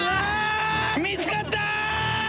見つかった！